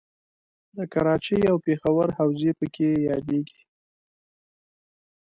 د کراچۍ او پېښور حوزې پکې یادیږي.